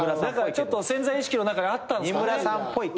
ちょっと潜在意識の中にあったんすかね。